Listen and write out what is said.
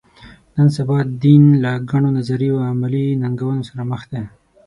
نن سبا دین له ګڼو نظري او عملي ننګونو سره مخ دی.